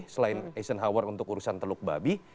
selain eisenhower untuk urusan teluk babi